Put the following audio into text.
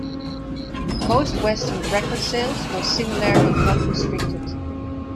Most Western record sales were similarly not restricted.